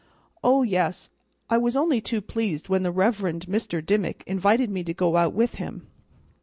"Oh yes, I was only too pleased when the Reverend Mr. Dimmick invited me to go out with him.